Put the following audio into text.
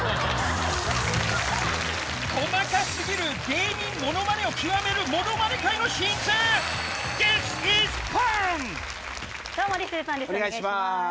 細かすぎる芸人ものまねを極めるものまね界の新星、どうもＴＨＩＳＩＳパンお願いします。